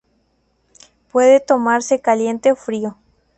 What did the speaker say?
Puede tomarse caliente o frío.